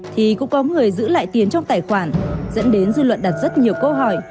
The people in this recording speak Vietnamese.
thì cũng có người giữ lại tiền trong tài khoản dẫn đến dư luận đặt rất nhiều câu hỏi